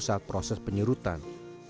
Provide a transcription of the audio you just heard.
saat proses penyerutan